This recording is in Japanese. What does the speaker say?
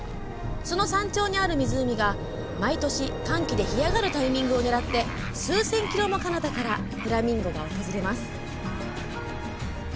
その山頂にある湖が毎年、乾季で干上がるタイミングを狙って数千ｋｍもかなたからフラミンゴが訪れます。